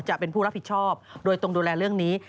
จะเป็นผู้รับผิดชอบโดยตรงดูแลเรื่องนี้